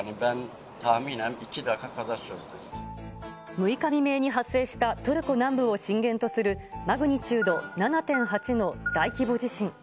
６日未明に発生したトルコ南部を震源とするマグニチュード７．８の大規模地震。